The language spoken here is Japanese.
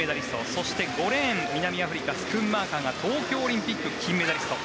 そして、５レーン、南アフリカスクンマーカーが東京オリンピック金メダリスト。